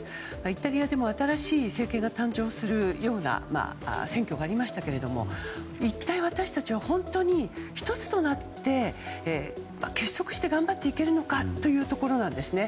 イタリアが新しい政権が誕生するような選挙がありましたけど一体、私たちは本当に１つとなって結束して頑張っていけるのかというところなんですね。